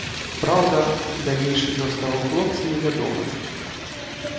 Праўда, далейшы лёс таго хлопца невядомы.